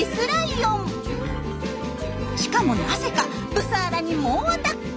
しかもなぜかブサーラに猛アタック！